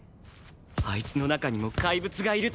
「あいつの中にもかいぶつがいる」